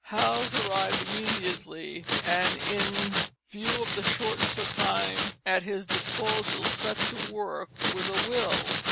Hals arrived immediately, and, in view of the shortness of time at his disposal, set to work with a will.